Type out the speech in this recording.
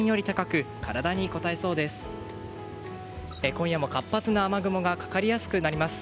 今夜も活発な雨雲がかかりやすくなります。